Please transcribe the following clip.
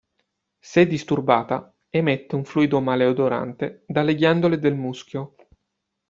Se disturbata, emette un fluido maleodorante dalle ghiandole del muschio.